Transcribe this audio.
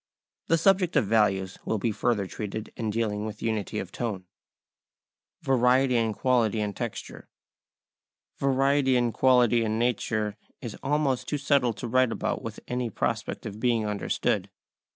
The subject of values will be further treated in dealing with unity of tone. [Sidenote: Variety in Quality and Texture] Variety in quality and nature is almost too subtle to write about with any prospect of being understood.